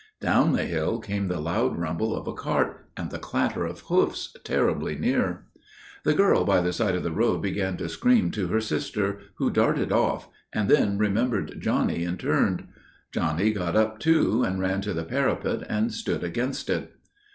Down the hill came the loud rumble of a cart and the clatter of hoofs, terribly near. "The girl by the side of the road began to scream to her sister, who darted off, and then remembered Johnny and turned. Johnny got up too and ran to the parapet and stood against it.